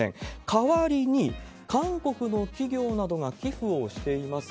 代わりに、韓国の企業などが寄付をしています